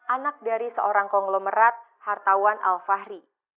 anak dari seorang konglomerat hartawan alfahri